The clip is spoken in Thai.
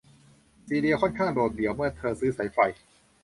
ซีเลียค่อนข้างโดดเดี่ยวเมื่อเธอซื้อสายไฟ